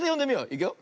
いくよ。